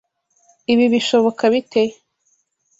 Ibi bishoboka bite?